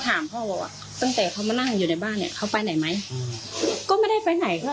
ถามพ่อว่าตั้งแต่เขามานั่งอยู่ในบ้านเนี่ยเขาไปไหนไหมก็ไม่